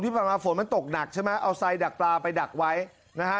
ผ่านมาฝนมันตกหนักใช่ไหมเอาไซดักปลาไปดักไว้นะฮะ